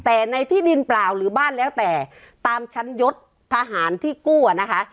แต่ในที่ดินเปล่าหรือบ้านแล้วแต่ตามชั้นยศทหารที่กู้อะนะคะ